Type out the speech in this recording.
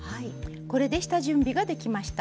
これで下準備ができました。